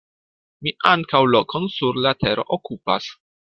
Mi ankaŭ lokon sur la tero okupas.